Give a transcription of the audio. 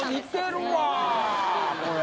これ